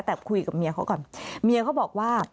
แต่คุยกับเมียเขาก่อนเมียเขาบอกว่า